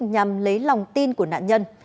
nhằm lấy lòng tin của nạn nhân